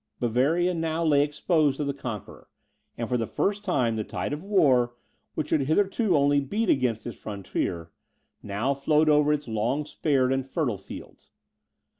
Bavaria now lay exposed to the conqueror; and, for the first time, the tide of war, which had hitherto only beat against its frontier, now flowed over its long spared and fertile fields.